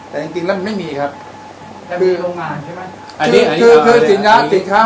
แต่จริงจริงแล้วมันไม่มีครับคือโรงงานใช่ไหมอันนี้คือคือสินค้า